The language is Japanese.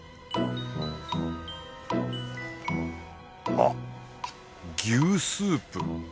あっ牛スープ。